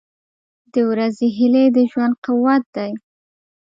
• د ورځې هیلې د ژوند قوت دی.